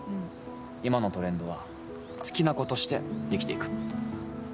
今のトレンドは「好きなことして生きて行く」。